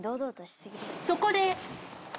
そこで。